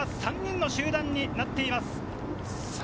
３人の集団になっています。